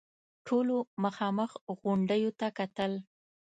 ټولو مخامخ غونډيو ته کتل.